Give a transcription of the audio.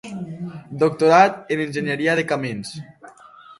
Doctorat en enginyeria de camins.